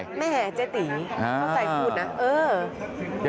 แม่เจติสงสัยพูดนะเออ